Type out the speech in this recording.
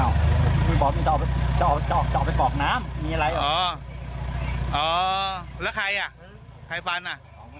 มีบอกมีจะออกไปกรอกน้ำมีอะไรอ๋อแล้วใครอ่ะใครฟันอ่ะ